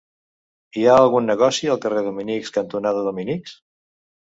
Hi ha algun negoci al carrer Dominics cantonada Dominics?